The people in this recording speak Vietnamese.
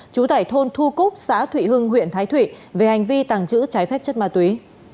trú tại thôn thu cúc xã thụy hưng huyện thái thủy về hành vi tăng giữ trái phép chất ma túy